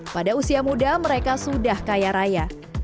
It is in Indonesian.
pada usia muda mereka sudah kaya raya